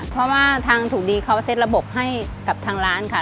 เพราะว่าทางถูกดีเขาเซ็ตระบบให้กับทางร้านค่ะ